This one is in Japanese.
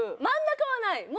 真ん中はない。